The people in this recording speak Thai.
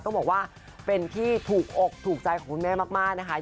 ต้องบอกว่าเป็นที่ถูกอกถูกใจของคุณแม่มากนะคะ